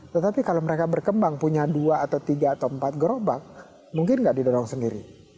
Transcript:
tetapi kalau mereka berkembang punya dua atau tiga atau empat gerobak mungkin nggak didorong sendiri